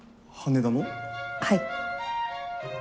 はい。